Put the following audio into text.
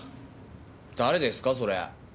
誰ですかそれ？